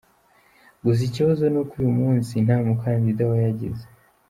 Gusa ikibazo ni uko uyu munsi nta mukandida wayagize.